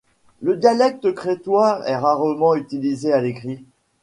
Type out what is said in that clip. Le dialecte crétois est rarement utilisé à l’écrit.